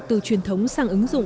từ truyền thống sang ứng dụng